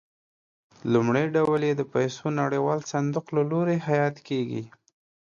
لومړی ډول یې د پیسو نړیوال صندوق له لوري حیات کېږي.